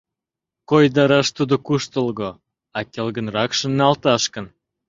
Койдараш тудо куштылго, а келгынрак шоналташ гын...